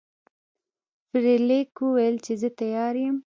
فلیریک وویل چې زه تیار یم.